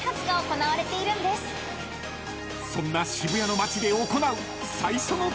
［そんな渋谷の街で行う］